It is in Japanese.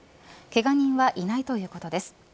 けが人はいないということです。